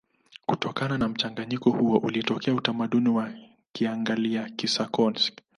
Kutokana na mchanganyiko huo ulitokea utamaduni wa Kianglia-Kisaksoni.